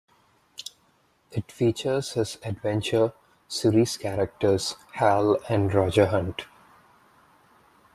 It features his "Adventure" series characters, Hal and Roger Hunt.